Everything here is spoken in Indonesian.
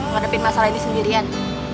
ngadepin masalah ini sendirian